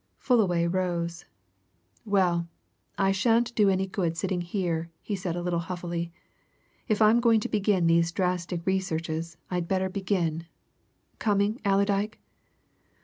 Fullaway rose. "Well, I shan't do any good by sitting here," he said, a little huffily. "If I'm going to begin those drastic researches I'd better begin. Coming, Allerdyke?"